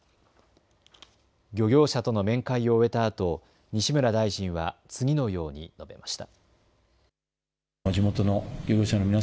漁業者との面会を終えたあと西村大臣は次のように述べました。